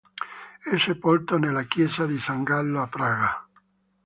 È sepolto nella chiesa di San Gallo a Praga.